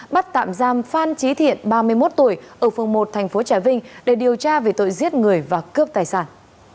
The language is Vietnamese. bắt tạm giam phan trí thiện ba mươi một tuổi ở phường một thành phố trà vinh để điều tra về tội giết người và cướp tài sản